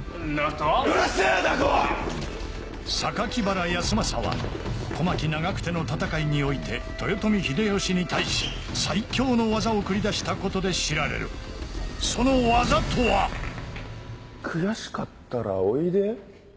原康政は小牧・長久手の戦いにおいて豊臣秀吉に対し最強の技を繰り出したことで知られるその技とは悔しかったらおいで？